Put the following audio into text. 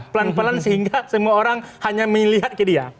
pelan pelan sehingga semua orang hanya melihat ke dia